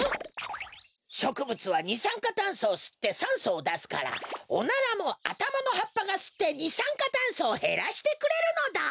しょくぶつはにさんかたんそをすってさんそをだすからおならもあたまのはっぱがすってにさんかたんそをへらしてくれるのだ。